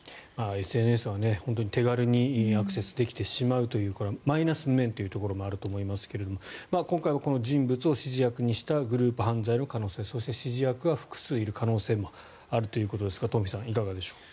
ＳＮＳは本当に手軽にアクセスできてしまうというマイナス面というところもあると思いますが今回はこの人物を指示役にしたグループ犯罪の可能性そして指示役が複数いる可能性もあるということですが東輝さん、いかがでしょう。